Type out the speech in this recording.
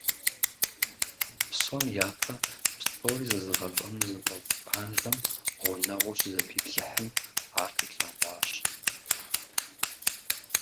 Псом япэ псори зэзыгъэщӀэну зыфӀэфӀ Къанжэм гъунэгъуу щызэпиплъыхьым, ар къилъэгъуащ.